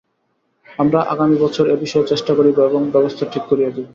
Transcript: আমরা আগামী বৎসর এ বিষয়ে চেষ্টা করিব এবং আমি ব্যবস্থা ঠিক করিয়া দিব।